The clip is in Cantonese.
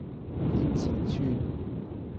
天慈邨